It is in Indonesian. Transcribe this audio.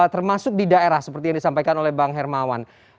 termasuk di daerah seperti yang disampaikan oleh bang hermawan